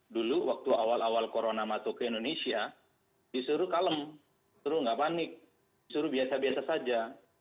dulu waktu awal awal corona masuk ke indonesia disuruh kalem disuruh nggak panik disuruh biasa biasa saja